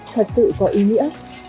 thật sự có ý nghĩa